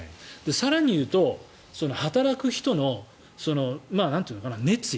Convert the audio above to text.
更に言うと働く人の熱意。